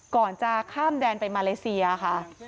ก่อนจะข้ามแดนไปมาเลเซียค่ะ